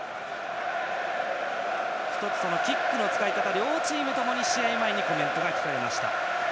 １つキックの使い方両チームともに試合前にコメントが聞かれました。